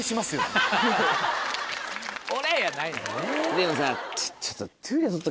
でもさちょっと。